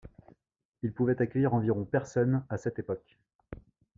Il pouvait accueillir environ personnes à cette époque.